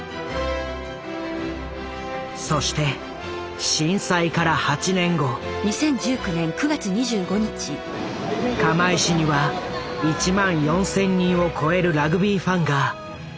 そして震災から８年後釜石には１万４，０００人を超えるラグビーファンが世界中から集まった。